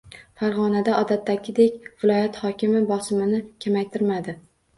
Farg'onada odatdagidek viloyat hokimi bosimini kamaytirmadi